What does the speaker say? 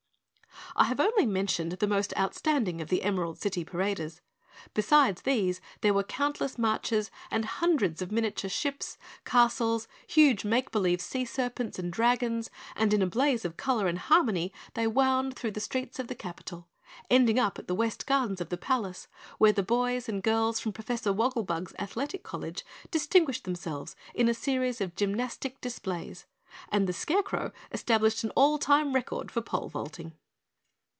I have only mentioned the most outstanding of the Emerald City paraders. Besides these, there were countless marchers and hundreds of miniature castles, ships, huge make believe sea serpents and dragons, and in a blaze of color and harmony they wound through the streets of the capital, ending up in the West Gardens of the palace, where the boys and girls from Professor Wogglebug's Athletic College distinguished themselves in a series of gymnastic displays and the Scarecrow established an all time record for pole vaulting.